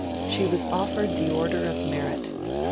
She was offered the Order of Merit.